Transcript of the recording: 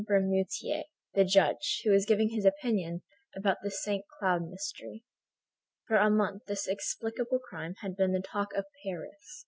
Bermutier, the judge, who was giving his opinion about the Saint Cloud mystery. For a month this in explicable crime had been the talk of Paris.